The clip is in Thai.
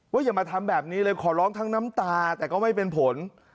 อย่ามาทำแบบนี้เลยขอร้องทั้งน้ำตาแต่ก็ไม่เป็นผล